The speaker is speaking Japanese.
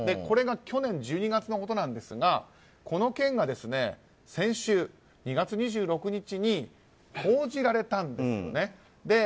これが去年１２月のことですがこの件が先週の２月２６日に報じられたんですよね。